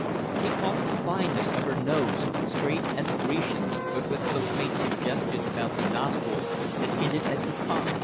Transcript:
He caught the fineness of her nose, straight as a Grecian's, but with some faint suggestion about the nostrils that hinted at piquance.